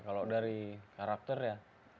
kalau dari karakter ya